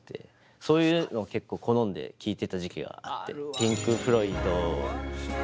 そういうのを結構好んで聴いてた時期があって。